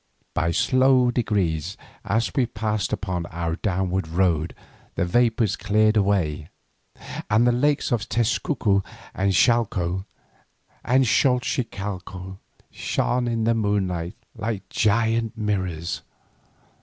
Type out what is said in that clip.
By slow degrees as we passed upon our downward road the vapours cleared away, and the lakes of Tezcuco, Chalco, and Xochicalco shone in the sunlight like giant mirrors.